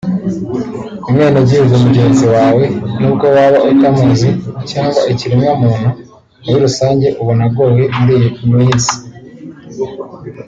umwene-gihugu mugenzi wawe nubwo waba utamuzi cyangwa ikiremwa-muntu muri rusange ubona agowe muri iyi minsi